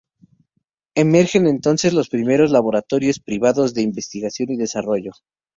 Emergen entonces los primeros laboratorios privados de investigación y desarrollo.